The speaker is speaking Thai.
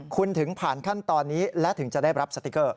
คุณถึงผ่านขั้นตอนนี้และถึงจะได้รับสติ๊กเกอร์